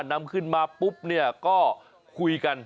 นำขึ้นมาปุ๊บเนี่ยก็คุยกัน